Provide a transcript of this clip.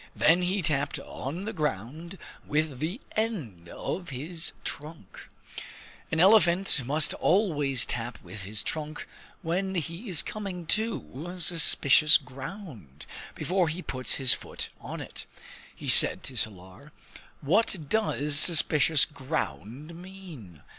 Then he tapped on the ground with the end of his trunk. "An elephant must always tap with his trunk when he is coming to suspicious ground, before he puts his foot on it," he said to Salar. "What does suspicious ground mean?"